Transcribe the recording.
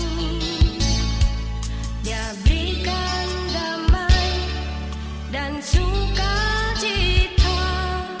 dia berikan damai dan sukacita